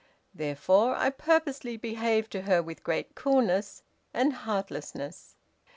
Therefore, I purposely behaved to her with great coolness and heartlessness.